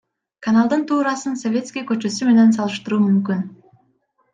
Каналдын туурасын Советский көчөсү менен салыштыруу мүмкүн.